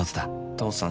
父さん